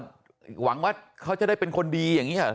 หวังว่าเขาจะได้เป็นคนดีอย่างนี้เหรอ